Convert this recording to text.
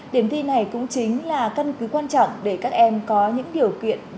điểm thi này cũng chính là căn cứ quan trọng để các em có những điều kiện